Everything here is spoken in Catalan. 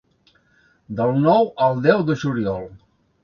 Del nou al deu de juliol.